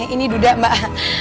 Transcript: ini duda mbak